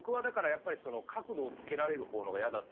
僕は、角度をつけられるほうが嫌だった。